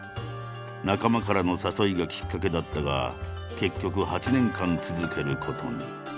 仲間からの誘いがきっかけだったが結局８年間続けることに。